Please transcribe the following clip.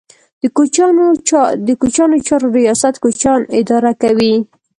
د کوچیانو چارو ریاست کوچیان اداره کوي